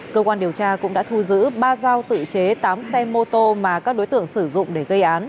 cơ quan điều tra cũng đã thu giữ ba dao tự chế tám xe mô tô mà các đối tượng sử dụng để gây án